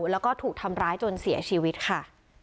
แล้วก็ถูกทำร้ายจนเสียชีวิตค่ะ